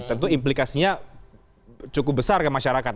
tentu implikasinya cukup besar ke masyarakat